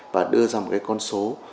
và đưa ra một cái con số